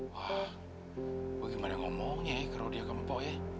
wah gue gimana ngomongnya ya kalau dia ke mpok ya